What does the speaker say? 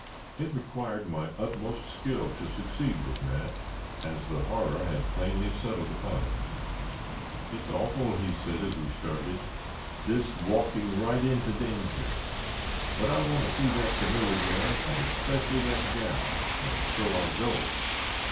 It required my utmost skill to succeed with Nat, as the horror had plainly settled upon him. "It's awful!" said he, as we started, "this walking right into danger, but I want to see that canoe agin, but especially that gal, and so I'll go."